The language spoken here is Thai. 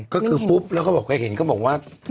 ก็คือปุ๊บแล้วก็บอกแกเห็นก็บอกว่า